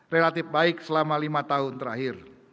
relatif baik selama lima tahun terakhir